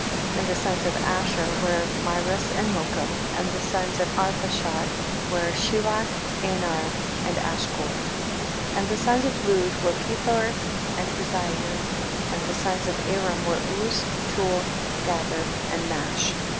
16. And the sons of Ashar were Mirus and Mokil, and the sons of Arpachshad were Shelach, Anar and Ashcol. 17. And the sons of Lud were Pethor and Bizayon, and the sons of Aram were Uz, Chul, Gather and Mash.